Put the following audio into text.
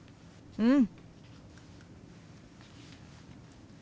うん！